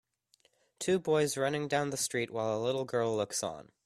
Two boys running down the street while a little girl looks on.